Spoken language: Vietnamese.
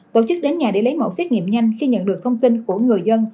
tổ chức đến nhà để lấy mẫu xét nghiệm nhanh khi nhận được thông tin của người dân